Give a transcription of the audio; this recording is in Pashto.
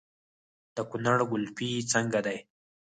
د کونړ ګلپي څنګه ده؟